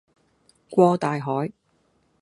過大海